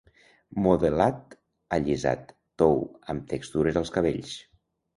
Modelat allisat, tou, amb textures als cabells.